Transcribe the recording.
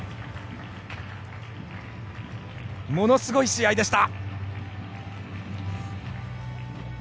ものすごい試合でした。